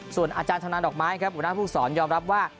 ส่วนอาจารย์ธนานดอกไม้ครับหัวหน้าผู้สอนยอมรับว่า